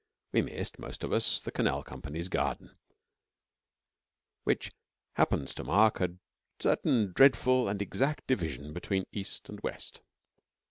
We missed, most of us, the Canal Company's garden, which happens to mark a certain dreadful and exact division between East and West.